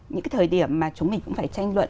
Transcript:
những cái thời điểm mà chúng mình cũng phải tranh luận